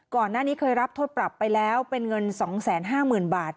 ก่อนหน้านี้เคยรับโทษปรับไปแล้วเป็นเงิน๒๕๐๐๐บาท